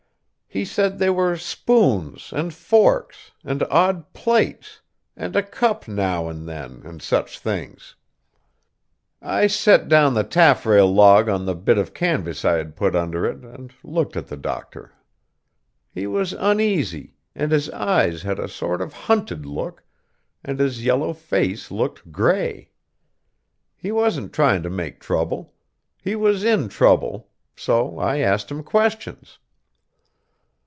He said they were spoons and forks, and odd plates, and a cup now and then, and such things. I set down the taffrail log on the bit of canvas I had put under it, and looked at the doctor. He was uneasy, and his eyes had a sort of hunted look, and his yellow face looked grey. He wasn't trying to make trouble. He was in trouble. So I asked him questions.